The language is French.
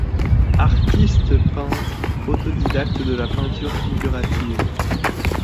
Artiste peintre autodidacte de la peinture figurative.